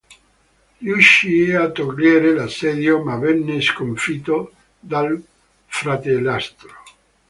Riuscì a togliere l'assedio ma venne sconfitto dal fratellastro.